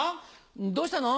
どうしたの？